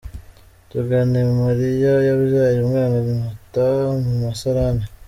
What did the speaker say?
Tuganemariya yabyaye umwana amuta mu musarani